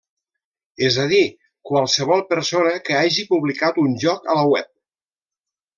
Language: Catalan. És a dir, qualsevol persona que hagi publicat un joc a la web.